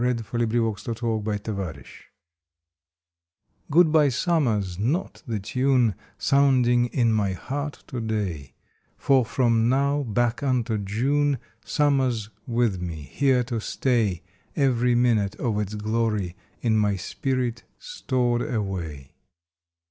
August Thirtieth SUMMER PASSES "/^OOD BY Summer" s not the tune ^^ Sounding in my heart to day, For from now back unto June Summer s with me, here to stay, Every minute of its glory in my spirit stored away.